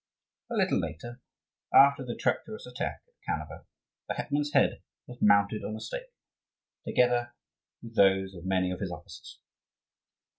A little later, after the treacherous attack at Kaneva, the hetman's head was mounted on a stake, together with those of many of his officers.